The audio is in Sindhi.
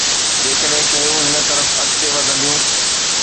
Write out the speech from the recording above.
جيڪڏهن شيون هن طرف اڳتي وڌنديون.